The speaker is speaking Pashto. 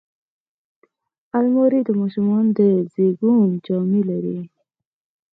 الماري د ماشوم د زیږون جامې لري